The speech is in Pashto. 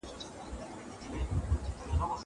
زه به د تکړښت لپاره تللي وي!